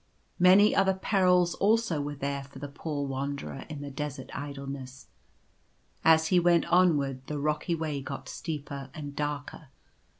Many other perils also were there for the poor Wanderer in the desert idleness. As he went onward the rocky way got steeper and darker.